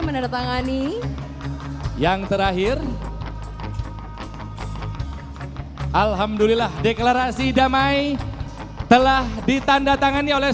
menandatangani yang terakhir alhamdulillah deklarasi damai telah ditandatangani oleh